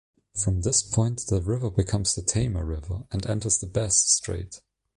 From this point the river becomes the Tamar River and enters Bass Strait.